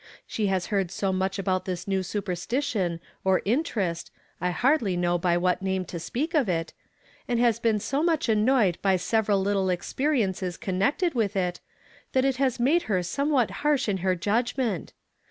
She has heard so nuieh about this new su{)ei"stition, or interest, — I hardly know by what mune to speak of it, — and has been so much annoyed by several little experi ences connected with it, that it lias made her somewhat harsh in her judgment.